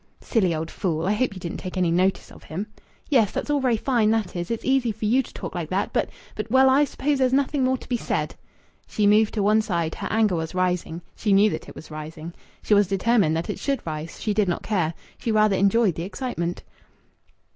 "Silly old fool! I hope you didn't take any notice of him." "Yes, that's all very fine, that is! It's easy for you to talk like that. But but well, I suppose there's nothing more to be said!" She moved to one side; her anger was rising. She knew that it was rising. She was determined that it should rise. She did not care. She rather enjoyed the excitement.